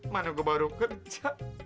mana gua baru kerja